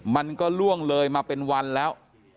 มันก็ล่วงเลยมาเป็นวันแล้ว